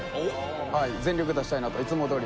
全力出したいなといつもどおり。